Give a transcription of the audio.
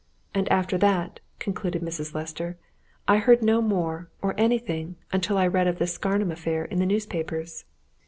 And after that," concluded Mrs. Lester, "I heard no more or anything until I read of this Scarnham affair in the newspapers."